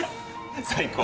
最高！